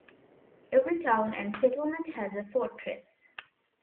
Every town and settlement has a fortress...